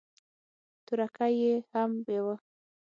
تورکى يې هم بېوه.